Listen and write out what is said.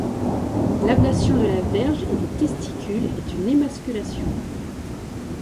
L'ablation de la verge et des testicules est une émasculation.